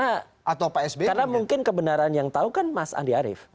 karena mungkin kebenaran yang tahu kan mas andi arief